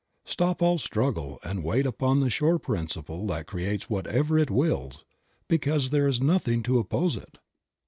Stop all struggle and wait upon the sure principle that creates whatever it wills because there is nothing to oppose it.